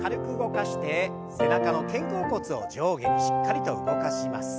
背中の肩甲骨を上下にしっかりと動かします。